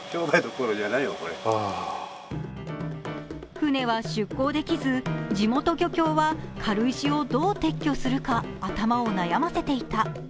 船は出港できず、地元漁協は軽石をどう撤去するか頭を悩ませていた。